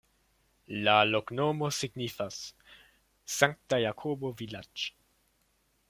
La loknomo signifas: Sankta-Jakobo-vilaĝ'.